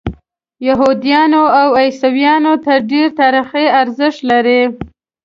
یهودیانو او عیسویانو ته ډېر تاریخي ارزښت لري.